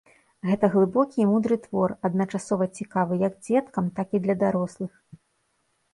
Гэта глыбокі і мудры твор, адначасова цікавы як дзеткам, так і для дарослым.